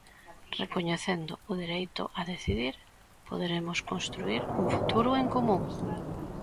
Recoñecendo o dereito a decidir, poderemos construír un futuro en común.